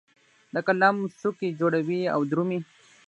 د قلم څوکې جوړوي او درومې